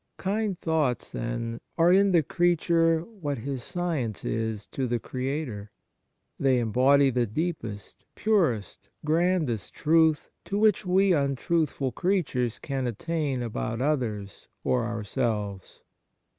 Kind thoughts, then, are in the creature what His science is to the Creator. They embody the deepest, purest, grandest truth to which we untruthful creatures can attain about others or ourselves.